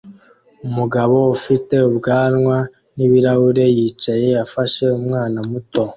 Umugabo ufite ubwanwa n'ibirahuri yicaye afashe umwana muto